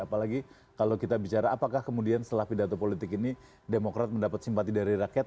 apalagi kalau kita bicara apakah kemudian setelah pidato politik ini demokrat mendapat simpati dari rakyat